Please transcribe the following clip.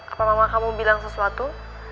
apa mama kamu bilang sesuatu